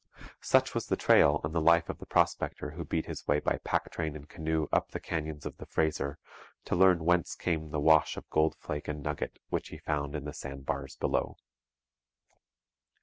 Such was the trail and the life of the prospector who beat his way by pack train and canoe up the canyons of the Fraser to learn whence came the wash of gold flake and nugget which he found in the sand bars below.